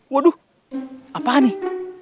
waduh apaan nih